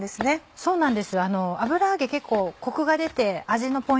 そうなんです。